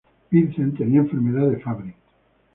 Vince tenía Enfermedad de Fabry.